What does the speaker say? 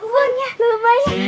uangnya lebih banyak